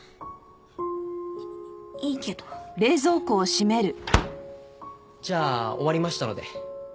いいけど。じゃあ終わりましたので。